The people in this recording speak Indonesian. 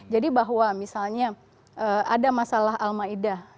jadi bahwa misalnya ada masalah almaida